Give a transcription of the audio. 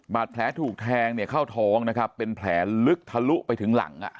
บาดแผลถูกแทงเนี่ยเข้าท้องนะครับเป็นแผลลึกทะลุไปถึงหลัง